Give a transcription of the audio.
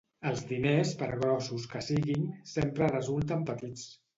Els diners, per grossos que siguin, sempre resulten petits.